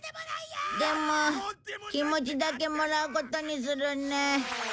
でも気持ちだけもらうことにするね。